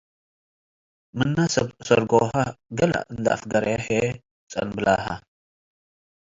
ምነ ሰርጎሀን ገሌ እንዴ አፍገረየ ህዬ ጸንብላሀ ።